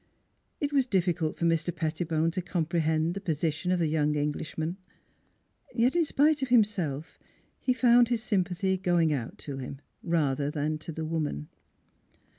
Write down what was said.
It was difficult for Mr. Petti bone to comprehend the position of the young Englishman, yet in spite of himself he found his sympathy going out to him, rather than to the woman.